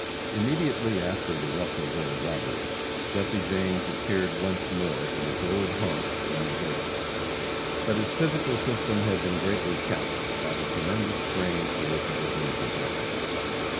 Immediately after the Russellville robbery, Jesse James appeared once more in his old haunts in Missouri. But his physical system had been greatly taxed by the tremendous strain to which it had been subjected.